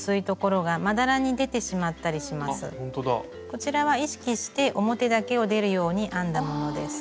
こちらは意識して表だけを出るように編んだものです。